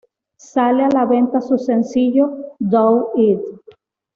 Sale a la venta su sencillo ""Do it!